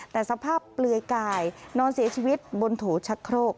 แต่สภาพเปลือยกายนอนเสียชีวิตบนโถชะโครก